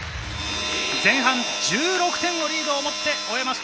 前半１６点リードをもって終えました。